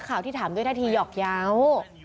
ค่าวที่ถามเยอะที่หยอกยาว